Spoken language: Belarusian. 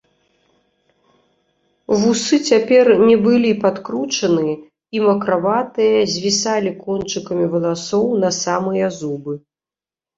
Вусы цяпер не былі падкручаны і, макраватыя, звісалі кончыкамі валасоў на самыя зубы.